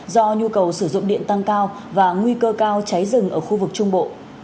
do nhu cầu sử dụng điện tăng cao và nguy cơ cao cháy rừng ở khu vực trung bộ